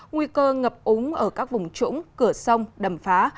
nguy cơ ngập úng ở các vùng trũng cửa sông đầm phá